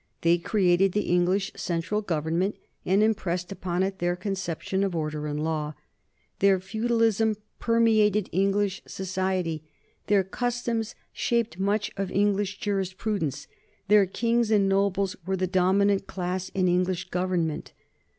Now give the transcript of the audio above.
They created the English central government and impressed upon it their conceptions of order and of law. Their feudalism per meated English society; their customs shaped much of English jurisprudence; their kings and nobles were the dominant class in English government.